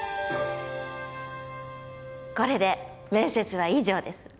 これで面接は以上です。